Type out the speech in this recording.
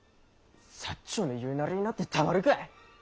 長の言うなりになってたまるかい。